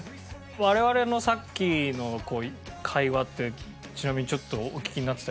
我々のさっきの会話ってちなみにちょっとお聞きになってたりしました？